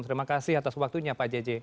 terima kasih atas waktunya pak jj